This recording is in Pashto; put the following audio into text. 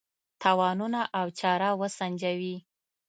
تاوانونه او چاره وسنجوي.